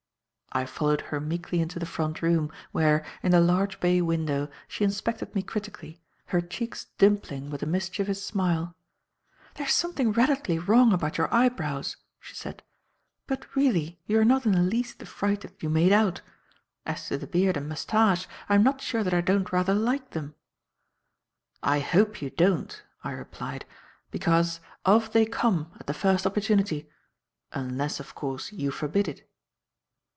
I followed her meekly into the front room, where, in the large bay window, she inspected me critically, her cheeks dimpling with a mischievous smile. "There's something radically wrong about your eyebrows," she said, "but, really, you are not in the least the fright that you made out. As to the beard and moustache, I am not sure that I don't rather like them." "I hope you don't," I replied, "because, off they come at the first opportunity unless, of course, you forbid it."